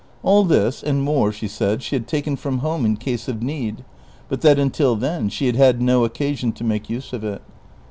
All this, and more, she said, she had taken from home in case of need, but that until then she had had no occasion to make use of it.